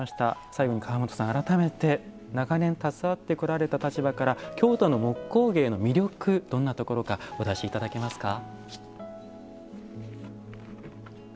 最後に川本さん改めて長年携わってこられた立場から京都の木工芸の魅力どんなところかお出しいただけますか？